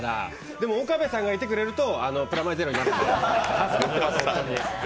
でも岡部さんがいてくれるとプラマイゼロになるので助かってます。